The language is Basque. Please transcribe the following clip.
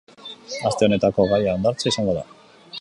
Aste honetako gaia hondartza izango da.